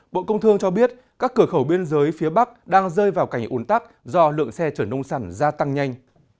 bộ công thương cho biết các cửa khẩu biên giới phía bắc đang rơi vào cảnh ủn tắc do lượng xe chở nông sản gia tăng nhanh